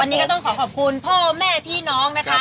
วันนี้ก็ต้องขอขอบคุณพ่อแม่พี่น้องนะคะ